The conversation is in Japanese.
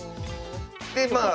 でまあ